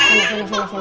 ini mau dipenangin